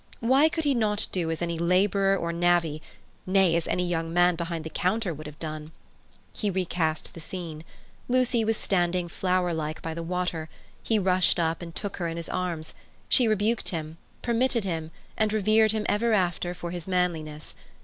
Why could he not do as any labourer or navvy—nay, as any young man behind the counter would have done? He recast the scene. Lucy was standing flowerlike by the water, he rushed up and took her in his arms; she rebuked him, permitted him and revered him ever after for his manliness.